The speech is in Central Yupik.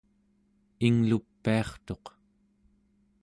inglupiartuq